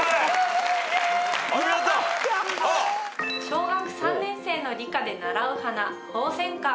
小学３年生の理科で習う花ホウセンカ。